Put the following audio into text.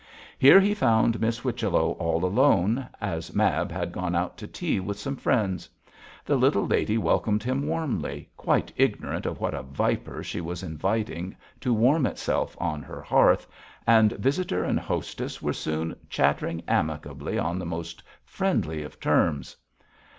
Here he found Miss Whichello all alone, as Mab had gone out to tea with some friends. The little lady welcomed him warmly, quite ignorant of what a viper she was inviting to warm itself on her hearth, and visitor and hostess were soon chattering amicably on the most friendly of terms.